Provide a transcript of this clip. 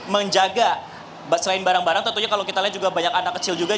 menjaga selain barang barang tentunya kalau kita lihat juga banyak anak kecil juga